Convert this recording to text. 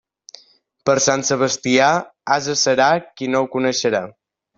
Per Sant Sebastià, ase serà qui no ho coneixerà.